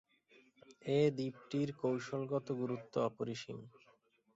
এ দ্বীপটির কৌশলগত গুরুত্ব অপরিসীম।